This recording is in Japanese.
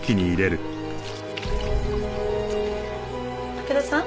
武田さん？